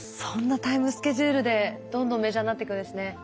そんなタイムスケジュールでどんどんメジャーになっていくんですね。